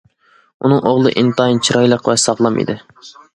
ئۇنىڭ ئوغلى ئىنتايىن چىرايلىق ۋە ساغلام ئىدى.